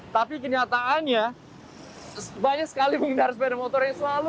tapi kenyataannya banyak sekali pengendara sepeda motor